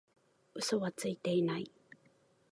嘘はついてない